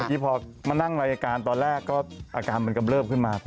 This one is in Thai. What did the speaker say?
พะกี้พอมันนั่งรายการตอนแรกก็อาการกำเริ่มขึ้นมา